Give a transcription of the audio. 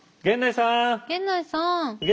源内さん。